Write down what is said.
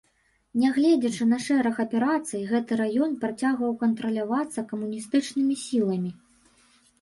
Нягледзячы на шэраг аперацый, гэты раён працягваў кантралявацца камуністычнымі сіламі.